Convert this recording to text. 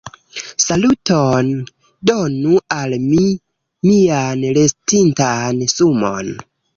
Saluton, donu al mi mian restintan sumon